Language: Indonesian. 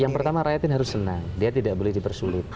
yang pertama rakyat ini harus senang dia tidak boleh dipersulit